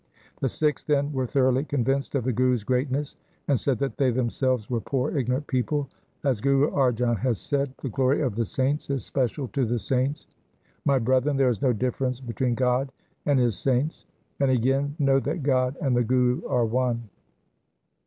The Sikhs then were thoroughly convinced of the Guru's greatness, and said that they themselves were poor ignorant people. As Guru Arjan has said: — The glory of the saints is special to the saints : My brethren, there is no difference between God and His saints. 1 And again :— Know that God and the Guru are one.